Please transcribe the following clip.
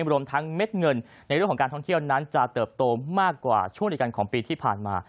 รวมทั้งเม็ดเงินในเรื่องของการท่องเที่ยวนั้นจะเติบโตมากกว่าช่วงเดียวกันของปีที่ผ่านมา